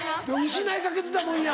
失いかけてたもんや。